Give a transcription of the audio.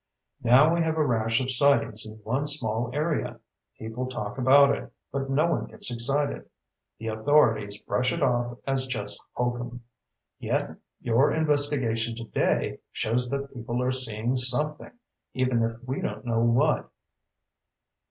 Now we have a rash of sightings in one small area. People talk about it, but no one gets excited. The authorities brush it off as just hokum. Yet, your investigation today shows that people are seeing something, even if we don't know what."